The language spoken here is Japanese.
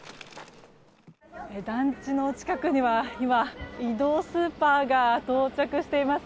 団地の近くには今、移動スーパーが到着しています。